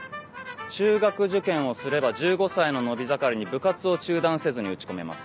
中学受験をすれば１５歳の伸び盛りに部活を中断せずに打ち込めます。